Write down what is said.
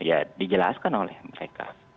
ya dijelaskan oleh mereka